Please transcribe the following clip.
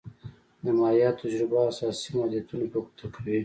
د مایا تجربه اساسي محدودیتونه په ګوته کوي.